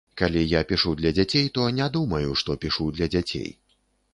Калі я пішу для дзяцей, то не думаю, што пішу для дзяцей.